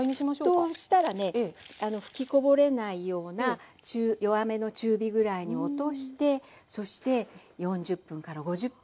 沸騰したらね吹きこぼれないような弱めの中火ぐらいに落としてそして４０５０分。